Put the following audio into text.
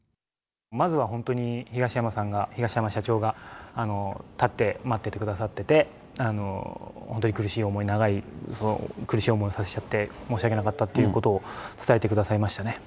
まずは本当に東山さんが、東山社長が立って待っていてくださってて、本当に苦しい思い、長い、苦しい思いさせちゃって申し訳なかったということを伝えてくださいましたね。